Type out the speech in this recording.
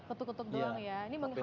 ketuk ketuk doang ya